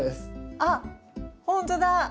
あっほんとだ！